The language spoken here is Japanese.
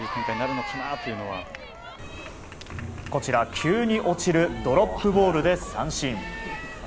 急に落ちるドロップボールで三振。